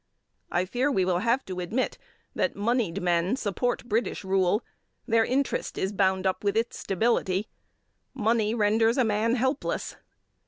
I fear we will have to admit that moneyed men support British rule; their interest is bound up with its stability. Money renders a man helpless.